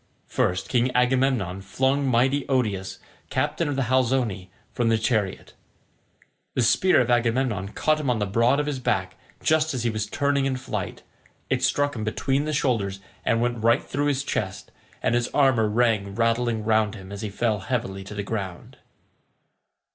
First King Agamemnon flung mighty Odius, captain of the Halizoni, from his chariot. The spear of Agamemnon caught him on the broad of his back, just as he was turning in flight; it struck him between the shoulders and went right through his chest, and his armour rang rattling round him as he fell heavily to the ground.